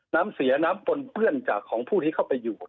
น้ำเสียน้ำปนเปื้อนจากของผู้ที่เข้าไปอยู่